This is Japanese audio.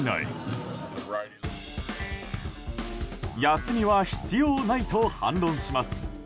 休みは必要ないと反論します。